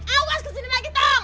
awas kesini lagi tong